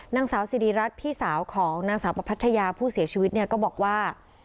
นางสาวสิริรัตน์พี่สาวของนางสาวประพัชยาผู้เสียชีวิตเนี่ยก็บอกว่า